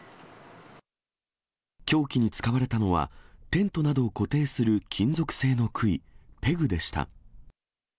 凶器に使われたのは、テントなどを固定する金属製のくい、ペグでした。